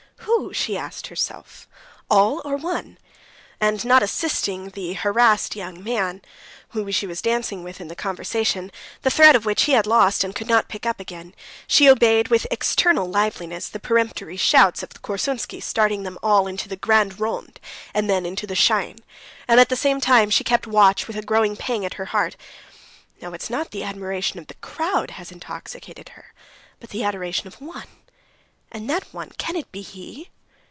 "Who?" she asked herself. "All or one?" And not assisting the harassed young man she was dancing with in the conversation, the thread of which he had lost and could not pick up again, she obeyed with external liveliness the peremptory shouts of Korsunsky starting them all into the grand rond, and then into the chaîne, and at the same time she kept watch with a growing pang at her heart. "No, it's not the admiration of the crowd has intoxicated her, but the adoration of one. And that one? can it be he?"